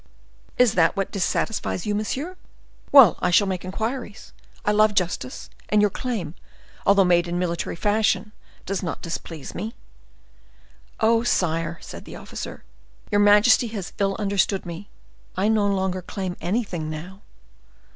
"Is that what dissatisfies you monsieur? Well, I shall make inquiries. I love justice; and your claim, though made in military fashion, does not displease me." "Oh, sire!" said the officer, "your majesty has ill understood me; I no longer claim anything now."